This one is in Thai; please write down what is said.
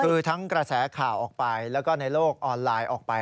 คือทั้งกระแสข่าวออกไปแล้วก็ในโลกออนไลน์ออกไป